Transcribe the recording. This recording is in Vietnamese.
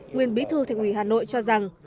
nguyên bí thư thành ủy hà nội cho rằng